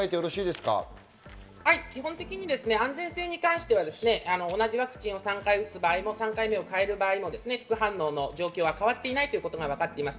基本的に安全性に関しては同じワクチンを３回打つ場合も３回目を変える場合も副反応の状況は変わっていないということがわかっています。